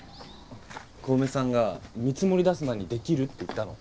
小梅さんが見積もり出す前にできるって言ったの。